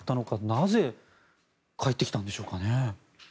なぜ帰ってきたんでしょうかね。